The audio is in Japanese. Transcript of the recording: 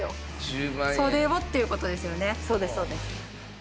そうですそうです。